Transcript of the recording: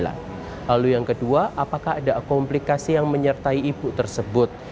lalu yang kedua apakah ada komplikasi yang menyertai ibu tersebut